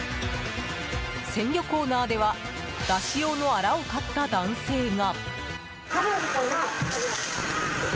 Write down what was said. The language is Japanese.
鮮魚コーナーではだし用のアラを買った男性が。